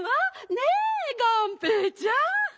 ねえがんぺーちゃん。